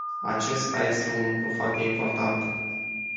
Acesta este un lucru foarte important.